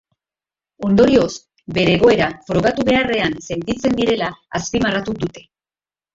Ondorioz, bere egoera frogatu beharrean sentitzen direla azpimarratu dute.